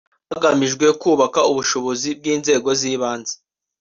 hagamijwe kubaka ubushobozi bw’inzego z’ibanze